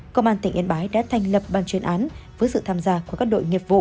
công an tỉnh yên bái đã thành lập ban chuyên án với sự tham gia của các đội nghiệp vụ